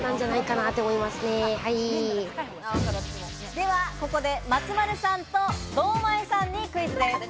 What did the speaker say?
ではここで、松丸さんと堂前さんにクイズです。